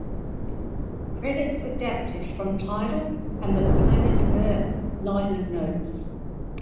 Credits adapted from Tidal and the "Planet Her" liner notes.